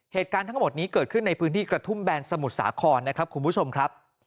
เหตุการณ์ทั้งหมดนี้เกิดขึ้นในพื้นที่กระทุ่มแบนสมุทรสาคร